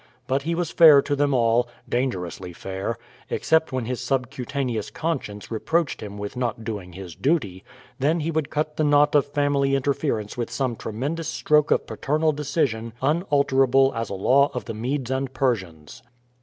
But he was fair to them all dangerously fair except when his subcutaneous conscience reproached him with not doing his duty; then he would cut the knot of family interference with some tremendous stroke of paternal decision unalterable as a law of the Medes and Persians.